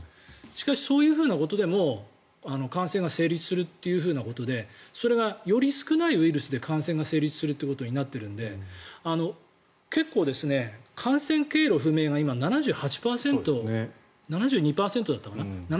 しかし、そういうことでも感染が成立するということでそれがより少ないウイルスで感染が成立することになっているので結構、感染経路不明が今、７８％７２％だったかな？